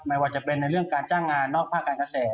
ไม่ว่าจะเป็นในเรื่องการจ้างงานนอกภาคการเกษตร